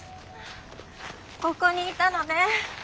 ここにいたのね。